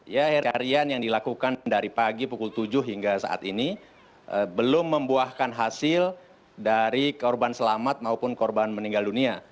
ya pencarian yang dilakukan dari pagi pukul tujuh hingga saat ini belum membuahkan hasil dari korban selamat maupun korban meninggal dunia